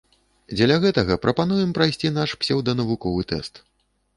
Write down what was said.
Дзеля гэтага прапануем прайсці наш псеўданавуковы тэст.